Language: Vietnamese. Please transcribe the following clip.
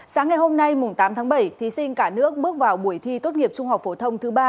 sáng ngày hôm nay tám tháng bảy thí sinh cả nước bước vào buổi thi tốt nghiệp trung học phổ thông thứ ba